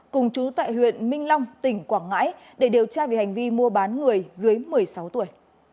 cùng chú tại huyện minh long tỉnh quảng ngãi để điều tra về hành vi mua bán người dưới một mươi sáu tuổi